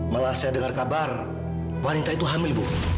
malah saya dengar kabar wanita itu hamil bu